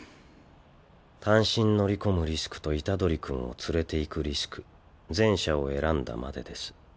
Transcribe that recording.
単身乗り込むリスクと虎杖君を連れていくリスク前者を選んだまでです。